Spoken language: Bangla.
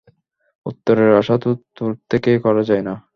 উত্তরের আশা তো তোর থেকে করা যায় না।